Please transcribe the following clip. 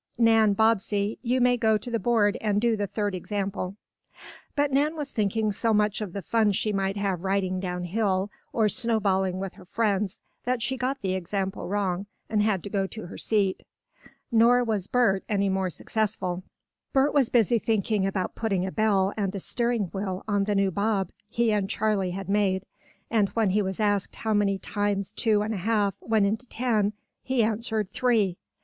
Nan Bobbsey, you may go to the board and do the third example." But Nan was thinking so much of the fun she might have riding down hill, or snowballing with her friends, that she got the example wrong, and had to go to her seat. Nor was Bert any more successful. Bert was busy thinking about putting a bell and a steering wheel on the new bob he and Charley had made, and when he was asked how many times two and a half went into ten he answered: "Three."